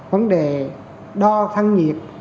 vấn đề đo thăng nhiệt